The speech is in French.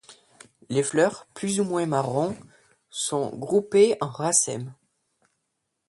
Les fleurs, plus ou moins marron, sont groupées en racèmes.